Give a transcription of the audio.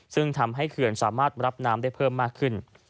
ซึ่งทำให้เขื่อนสามารถรับน้ำได้เพิ่มมากขึ้น